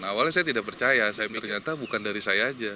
awalnya saya tidak percaya saya ternyata bukan dari saya aja